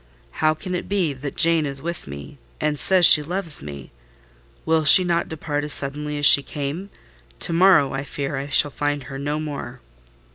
How can it be that Jane is with me, and says she loves me? Will she not depart as suddenly as she came? To morrow, I fear I shall find her no more."